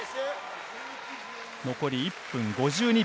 残り１分５２秒。